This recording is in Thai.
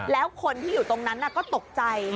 แล้วคนที่อยู่ตรงนั้นก็ตกใจ